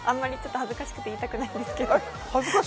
あんまり恥ずかしくていいたくないんですけど。